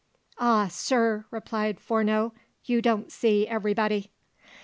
"Ah, sir," replied Fourneau, "you don't see everybody."